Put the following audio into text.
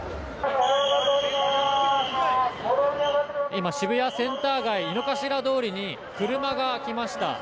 今、渋谷センター街井の頭通りに車が来ました。